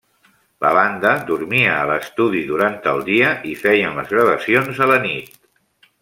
La banda dormia a l'estudi durant el dia i feien les gravacions a la nit.